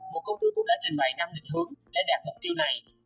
một công thư cũng đã trình bày năm định hướng để đạt mục tiêu này